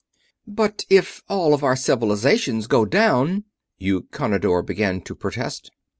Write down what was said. "But if all of our Civilizations go down...." Eukonidor began to protest.